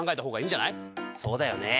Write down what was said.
そうだよね。